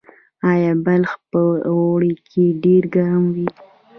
آیا بلخ په اوړي کې ډیر ګرم وي؟